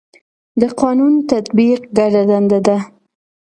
د قانون تطبیق ګډه دنده ده